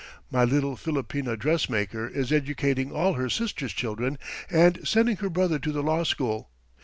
My little Filipina dressmaker is educating all her sister's children and sending her brother to the law school.